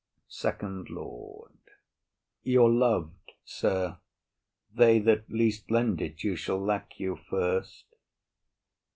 SECOND LORD. You're lov'd, sir; They that least lend it you shall lack you first.